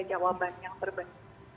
jawaban yang terbaik